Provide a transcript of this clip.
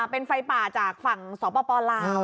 เป็นไฟป่าจากฝั่งสวปปอล์ลาน